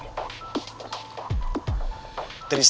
bisa buat boris